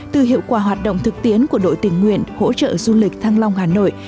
từ hiệu quả hoạt động thực tiến của đội tình nguyện hỗ trợ du lịch thăng long hà nội